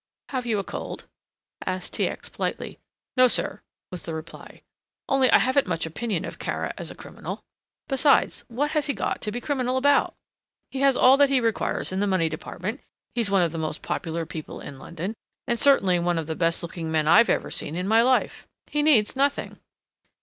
"Have you a cold?" asked T. X. politely. "No, sir," was the reply, "only I haven't much opinion of Kara as a criminal. Besides, what has he got to be a criminal about? He has all that he requires in the money department, he's one of the most popular people in London, and certainly one of the best looking men I've ever seen in my life. He needs nothing."